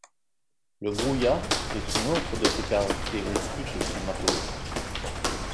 Le brouillard est une autre de ses caractéristiques climatologiques.